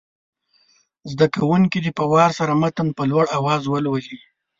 زده کوونکي دې په وار سره متن په لوړ اواز ولولي.